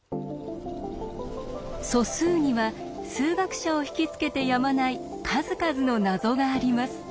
素数には数学者を引き付けてやまない数々の謎があります。